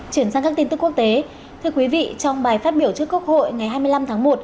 chuyển sang các tin tức quốc tế thưa quý vị trong bài phát biểu trước quốc hội ngày hai mươi năm tháng một